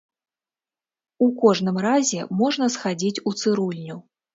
У кожным разе можна схадзіць у цырульню.